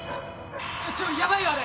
ちょっヤバいよあれ！